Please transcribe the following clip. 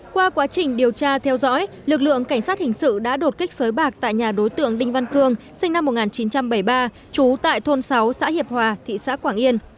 qua quá trình điều tra theo dõi lực lượng cảnh sát hình sự đã đột kích sới bạc tại nhà đối tượng đinh văn cương sinh năm một nghìn chín trăm bảy mươi ba trú tại thôn sáu xã hiệp hòa thị xã quảng yên